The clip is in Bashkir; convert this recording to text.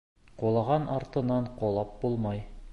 Ҡолаған артынан ҡолап булмай.